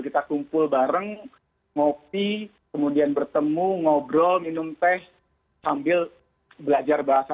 kita kumpul bareng ngopi kemudian bertemu ngobrol minum teh sambil belajar bahasa